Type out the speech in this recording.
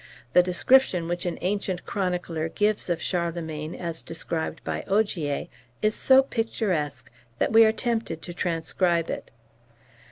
The description which an ancient chronicler gives of Charlemagne, as described by Ogier, is so picturesque, that we are tempted to transcribe it.